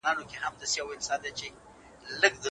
ولي په ځينو موضوعاتو کي زيات تفصيل ته ځې؟